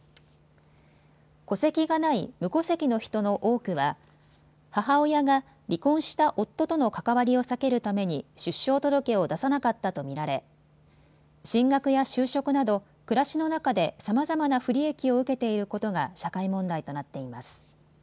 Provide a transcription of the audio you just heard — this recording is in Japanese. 戸籍がない無戸籍の人の多くは母親が離婚した夫との関わりを避けるために出生届を出さなかったと見られ進学や就職など暮らしの中でさまざまな不利益を受けていることが社会問題となっています。